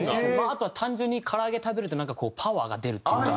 あとは単純に唐揚げ食べるとなんかこうパワーが出るっていうか。